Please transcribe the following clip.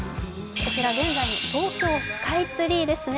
こちら現在の東京スカイツリーですね。